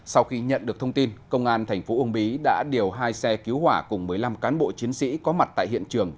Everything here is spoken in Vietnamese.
sau khi nhận được thông tin công an thành phố uông bí đã điều hai xe cứu hỏa cùng một mươi năm cán bộ chiến sĩ có mặt tại hiện trường